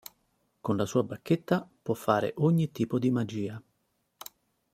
Con la sua bacchetta può fare ogni tipo di magia.